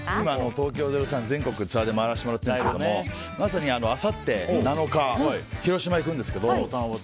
東京０３、全国、ツアーで回らさせてもらってるんですがまさにあさって７日広島に行くんですけど。